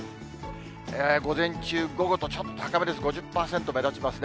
午前中、午後と、ちょっと高めです、５０％目立ちますね。